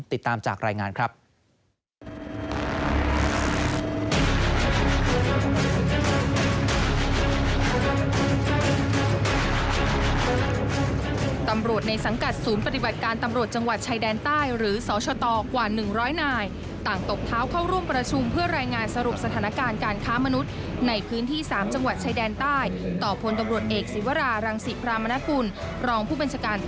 ติดตามจากรายงานครับ